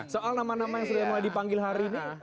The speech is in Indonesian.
soal nama nama yang sudah mulai dipanggil hari ini